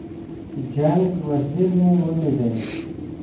جنګ وزیر مې ولیدی.